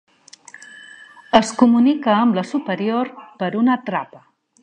Es comunica amb la superior per una trapa.